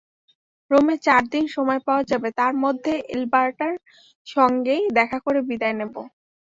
রোমে চারদিন সময় পাওয়া যাবে, তার মধ্যে এলবার্টার সঙ্গে দেখা করে বিদায় নেব।